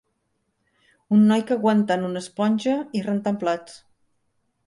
Un noi que aguantant una esponja i rentant plats.